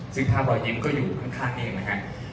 ซึ่งภาพรอยยิ้มก็อยู่ข้างนี้เองนะครับ